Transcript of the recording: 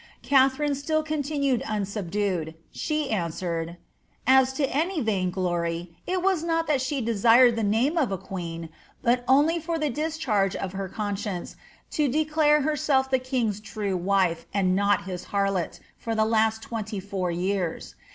Katharine still continued unsub dued ; she answered, ^ As to any vainglory, it was not that she desired the name of a queen, but only for the discharge of her conscience to declare herself the king's true wife, and not his harlot, for the last twenty four years.